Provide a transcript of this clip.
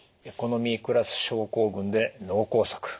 エコノミークラス症候群で脳梗塞。